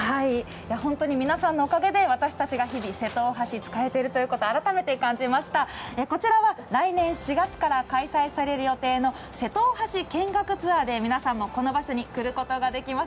皆さんのおかげで私たちが日々、瀬戸大橋を使えているということを改めて感じました、こちらは来年４月から開催される予定の瀬戸大橋見学ツアーで皆さんもこの場所に来ることができます。